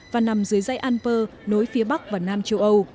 và nằm dưới dây anpur nối phía bắc và nam châu âu